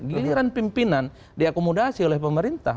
giliran pimpinan diakomodasi oleh pemerintah